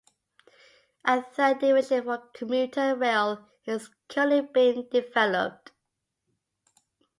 A third division for commuter rail is currently being developed.